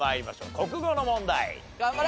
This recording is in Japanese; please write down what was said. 国語の問題。